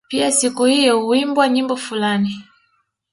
Pia siku hiyo huimbwa nyimbo fulani